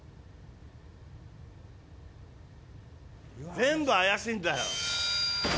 全部怪しいんだよ！